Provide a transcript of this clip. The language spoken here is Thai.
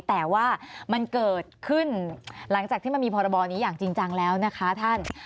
แต่ว่ามันเกิดขึ้นหลังจากที่มันมีพรบนี้อย่างจริงจังแล้วนะคะท่าน